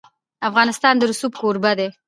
افغانستان د رسوب کوربه دی.